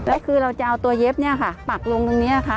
แล้วคือเราจะเอาตัวเย็บเนี่ยค่ะปักลงตรงนี้นะคะ